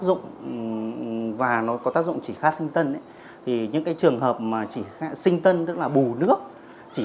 dụng và nó có tác dụng chỉ khác sinh tân thì những cái trường hợp mà chỉ sinh tân tức là bù nước chỉ